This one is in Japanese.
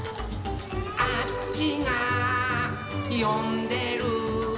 「あっちがよんでるー」